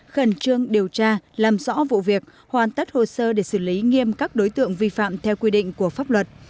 khẩn trương điều tra làm rõ vụ việc hoàn tất hồ sơ để xử lý nghiêm các đối tượng vi phạm theo quy định của pháp luật